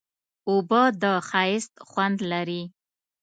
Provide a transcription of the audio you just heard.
اوبه د ښایست خوند لري.